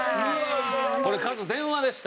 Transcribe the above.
これカズ電話でした。